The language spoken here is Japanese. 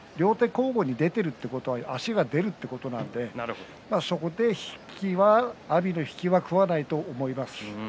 交互に出ているということは足が出るということなのでそこで阿炎の引きは食わないと思います。